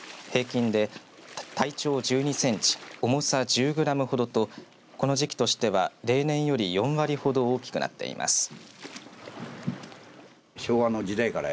平均で体長１２センチ重さ１０グラムほどとこの時期としては例年より４割ほど大きくなっています。